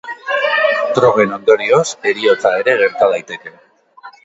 Drogen ondorioz heriotza ere gerta daiteke.